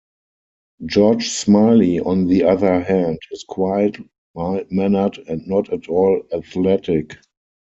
George Smiley, on the other hand, is quiet, mild-mannered and not at all athletic.